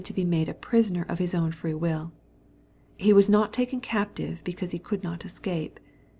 XXYX. 369 to be made a prisoner of His own free mil./ He was not taken captive because he could not escape.